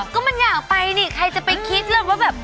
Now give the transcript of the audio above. ก็มันอยากไปนี่ใครจะไปคิดเลยว่าแบบ